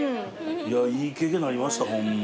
いやいい経験になりましたホンマ